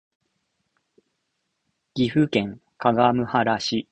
岐阜県各務原市